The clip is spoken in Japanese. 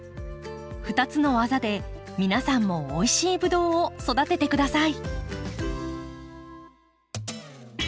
２つのわざで皆さんもおいしいブドウを育ててください。